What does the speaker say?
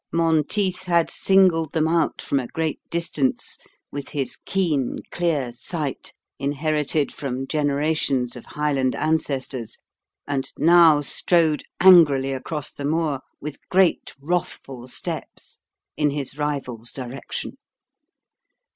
Monteith had singled them out from a great distance with his keen, clear sight, inherited from generations of Highland ancestors, and now strode angrily across the moor, with great wrathful steps, in his rival's direction.